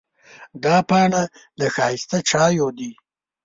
دا پاڼې د ښایسته چایو دي.